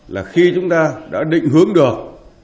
là khi chúng ta đã định hướng được